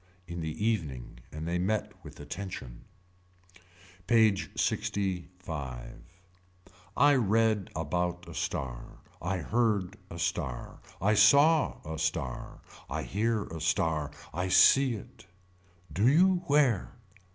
In the evening and they met with attention. PAGE LXV. I read about a star. I heard a star. I saw a star. I hear a star. I see it. Do you where.